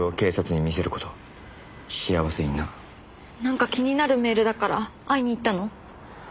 「幸せにな」なんか気になるメールだから会いに行ったの。